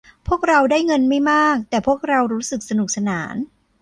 พวกเราได้เงินไม่มากแต่พวกเรารู้สึกสนุกสนาน